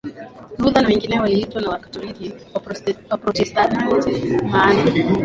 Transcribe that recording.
Luther na wengineo waliitwa na Wakatoliki Waprotestanti maana